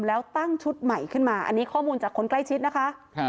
แล้วตั้งชุดใหม่ขึ้นมาอันนี้ข้อมูลจากคนใกล้ชิดนะคะ